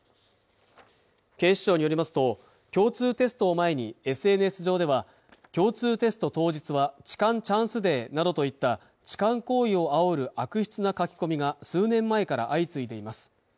警視庁によりますと共通テストを前にＳＮＳ上では共通テスト当日は痴漢チャンスデーなどといった痴漢行為をあおる悪質な書き込みが数年前から相次いでいます